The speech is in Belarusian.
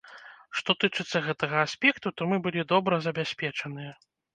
Што тычыцца гэтага аспекту, то мы былі добра забяспечаныя.